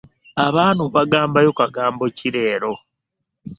Abaana obagambayo kagambo ki leero?